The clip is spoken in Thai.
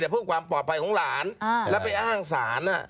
เพื่อความปลอดภัยของหลานแล้วไปอ้างศาล